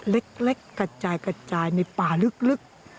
เล็กกระจายในป่าลึก